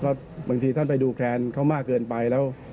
เพราะบางทีท่านไปดูแคลนเขามากเกินไป